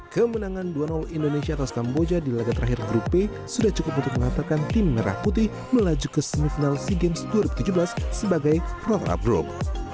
kemenangan dua indonesia atas kamboja di laga terakhir grup b sudah cukup untuk mengatakan tim merah putih melaju ke semifinal sea games dua ribu tujuh belas sebagai run up grup